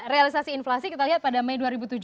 realisasi inflasi kita lihat pada mei dua ribu tujuh belas